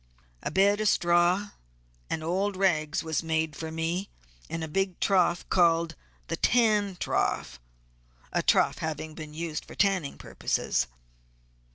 A bed of straw and old rags was made for me in a big trough called the tan trough (a trough having been used for tanning purposes).